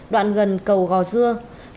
đoạn gần cầu gò dưa